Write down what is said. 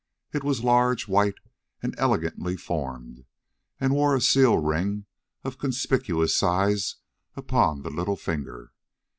It was large, white, and elegantly formed, and wore a seal ring of conspicuous size upon the little finger.